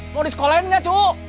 mau disekolahin nggak cu